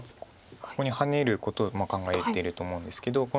ここにハネることを考えてると思うんですけど。